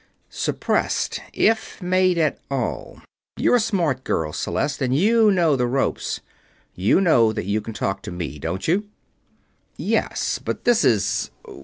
Suppressed if made at all. You're a smart girl, Celeste, and you know the ropes. You know that you can talk to me, don't you?" "Yes, but this is